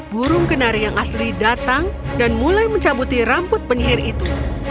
burung kenari yang asli datang dan mulai mencabuti rambut penyihir itu